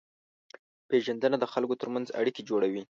پېژندنه د خلکو ترمنځ اړیکې جوړوي.